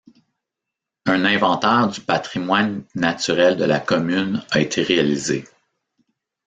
Un inventaire du patrimoine naturel de la commune a été réalisé.